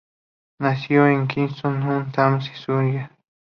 Nació en Kingston-upon-Thames, Surrey.